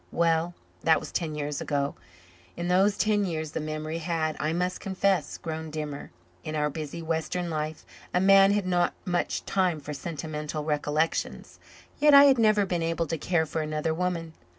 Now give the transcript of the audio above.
Well, that was ten years ago; in those ten years the memory had, I must confess, grown dimmer. In our busy western life a man had not much time for sentimental recollections. Yet I had never been able to care for another woman.